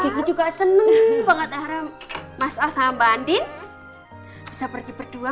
gigi juga senang banget haram mas al sama mbak andi bisa pergi berdua